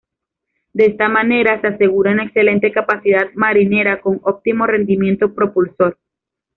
De esta manera se asegura una excelente capacidad marinera con óptimo rendimiento propulsor.